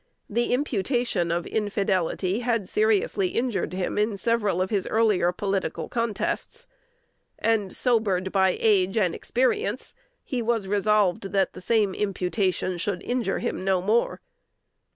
The imputation of infidelity had seriously injured him in several of his earlier political contests; and, sobered by age and experience, he was resolved that that same imputation should injure him no more.